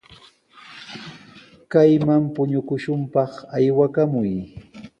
Kayman puñukushunpaq aywakamuy.